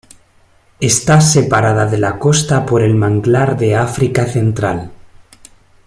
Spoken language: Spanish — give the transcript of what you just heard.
Está separada de la costa por el manglar de África central.